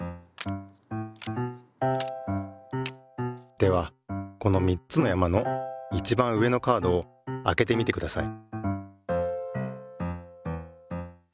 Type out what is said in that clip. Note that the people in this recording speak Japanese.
ではこの３つの山のいちばん上のカードをあけてみてください。